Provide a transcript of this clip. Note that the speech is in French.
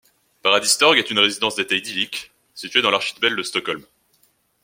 Paradistorg est une résidence d'été idyllique situé dans l'archipel de Stockholm.